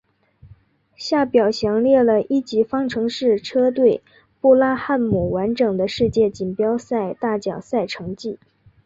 下表详列了一级方程式车队布拉汉姆完整的世界锦标赛大奖赛成绩。